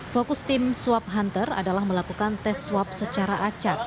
fokus tim swab hunter adalah melakukan tes swab secara acak